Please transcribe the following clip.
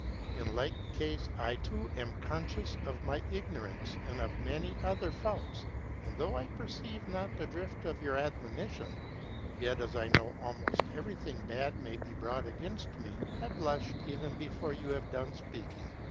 In like case I too am conscious of my ignorance and of many other faults, and though I perceive not the drift of your admonition, yet as I know almost everything bad may be brought against me, I blush even before you have done speaking.